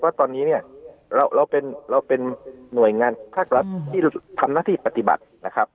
ตอนนี้เนี่ยเราเป็นหน่วยงานภาครัฐที่ทำหน้าที่ปฏิบัตินะครับ